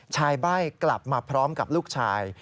ใบ้กลับมาพร้อมกับลูกชาย